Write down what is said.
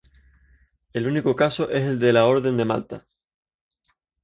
El único caso es el de la Orden de Malta.